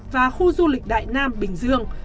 và khu du lịch đại nam bình dương